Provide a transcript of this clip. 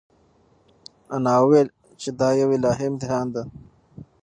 انا وویل چې دا یو الهي امتحان دی.